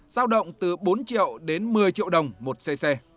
giao động từ bốn triệu đến một mươi triệu đồng một cc